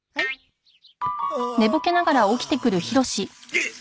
えっ！